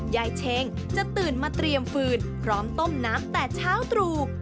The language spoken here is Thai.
เชงจะตื่นมาเตรียมฟืนพร้อมต้มน้ำแต่เช้าตรู่